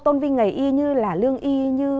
tôn vinh nghề y như là lương y như